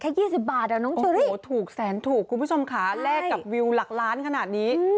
แค่ยี่สิบบาทอะน้องโอ้โหถูกแสนถูกคุณผู้ชมค่ะแลกกับวิวหลักล้านขนาดนี้